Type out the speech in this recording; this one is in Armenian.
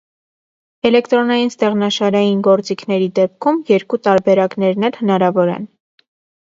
Էլեկտրոնային ստեղնաշարային գործիքների դեպքում երկու տարբերակներն էլ հնարավոր են։